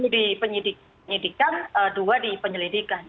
sepuluh di penyidikan dua di penyelidikan